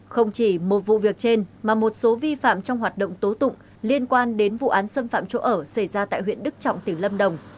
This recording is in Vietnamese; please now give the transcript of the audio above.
không chỉ một vụ việc trên mà một số vi phạm trong hoạt động tố tụng liên quan đến vụ án xâm phạm chỗ ở xảy ra tại huyện đức trọng tỉnh lâm đồng